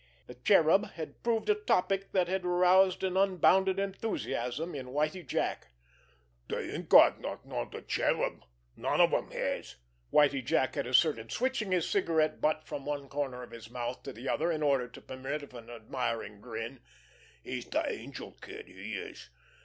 The Cherub had proved a topic that had aroused an unbounded enthusiasm in Whitie Jack. "Dey ain't got nothin' on de Cherub—none of 'em has," Whitie Jack had asserted, switching his cigarette butt from one corner of his mouth to the other in order to permit of an admiring grin. "He's de angel kid—he is!